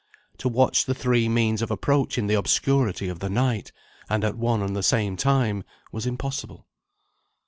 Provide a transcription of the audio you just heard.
To watch the three means of approach in the obscurity of the night, and at one and the same time, was impossible.